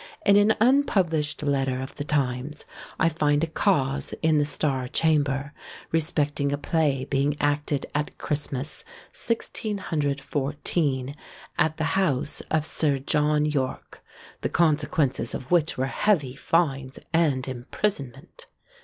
In an unpublished letter of the times, I find a cause in the Star chamber respecting a play being acted at Christmas, 1614, at the house of Sir John Yorke; the consequences of which were heavy fines and imprisonment.